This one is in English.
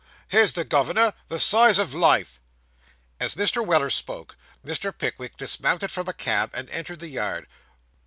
here's the governor, the size of life.' As Mr. Weller spoke, Mr. Pickwick dismounted from a cab, and entered the yard.